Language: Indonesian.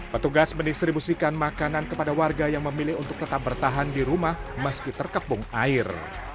petugas mendistribusikan makanan kepada warga yang memilih untuk tetap bertahan di rumah meski terkepung air